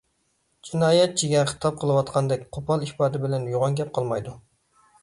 جىنايەتچىگە خىتاب قىلىۋاتقاندەك قوپال ئىپادە بىلەن يوغان گەپ قىلمايدۇ.